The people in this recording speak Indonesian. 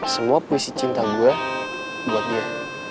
semua puisi cinta gue buat dia